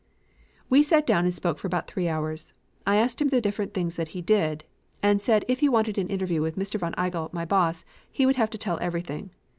"We sat down and we spoke for about three hours. I asked him the different things that he did, and said if he wanted an interview with Mr. von Igel, my boss, he would have to tell everything.